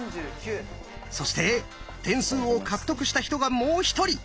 そして点数を獲得した人がもう一人。